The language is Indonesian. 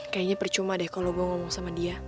kayaknya percuma deh kalau gue ngomong sama dia